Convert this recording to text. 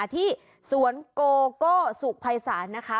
ที่สวนโกโก้สุขภัยศาลนะคะ